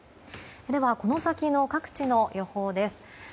ではこの先の各地の予報です。